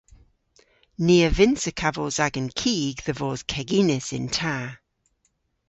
Ni a vynnsa kavos agan kig dhe vos keginys yn ta.